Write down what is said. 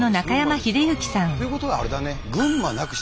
っていうことはあれだね。